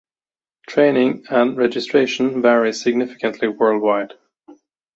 Training and registration varies significantly worldwide.